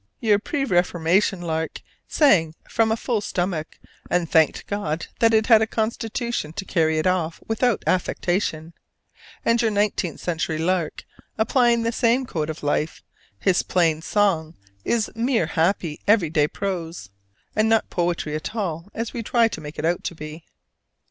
Your pre Reformation lark sang from "a full stomach," and thanked God it had a constitution to carry it off without affectation: and your nineteenth century lark applying the same code of life, his plain song is mere happy everyday prose, and not poetry at all as we try to make it out to be.